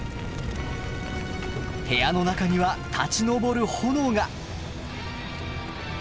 部屋の中には立ち上る炎が！